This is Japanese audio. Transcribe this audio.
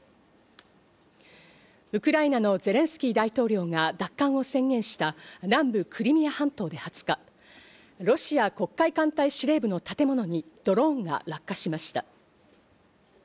ウクライナのゼレンスキー大統領が奪還を宣言した南部クリミア半島で２０日、ロシア黒海艦隊司令部の建物にドローンが落下しました。